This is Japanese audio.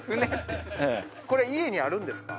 これ家にあるんですか